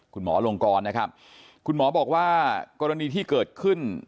คุณหมอลงกรนะครับคุณหมอบอกว่ากรณีที่เกิดขึ้น